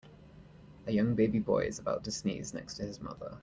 A young baby boy is about to sneeze next to his mother.